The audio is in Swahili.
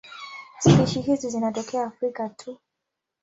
Spishi hizi zinatokea Afrika tu.